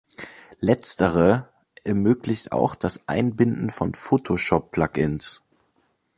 Letztere ermöglicht auch das Einbinden von Photoshop-Plug-ins.